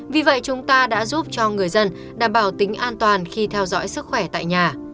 vì vậy chúng ta đã giúp cho người dân đảm bảo tính an toàn khi theo dõi sức khỏe tại nhà